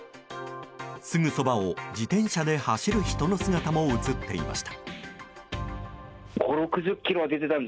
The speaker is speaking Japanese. すぐそばを自転車で走る人の姿も映っていました。